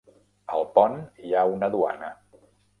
Al pont hi ha una duana.